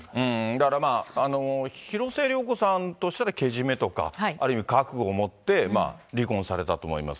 だから広末涼子さんとしたら、けじめとか、ある意味、覚悟をもって、離婚されたと思います。